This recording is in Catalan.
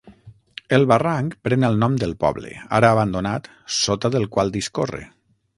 El barranc pren el nom del poble, ara abandonat, sota del qual discorre.